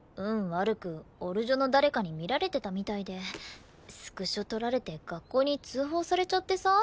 悪くオル女の誰かに見られてたみたいでスクショ撮られて学校に通報されちゃってさ。